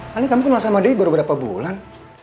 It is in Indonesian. paling kamu kenal sama dewi baru beberapa bulan